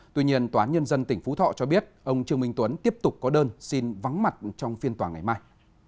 tuy nhiên tòa án nhân dân tỉnh phú thọ cho biết ông trương minh tuấn tiếp tục có đơn xin vắng mặt trong phiên tòa ngày mai